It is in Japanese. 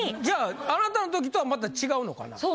じゃああなたの時とはまた違うのかな？